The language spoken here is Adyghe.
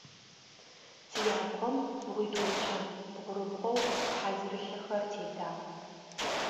Цыябгъэм бгъуитӏумкӏэ бгъурыбгъоу хьазырылъэхэр тедагъ.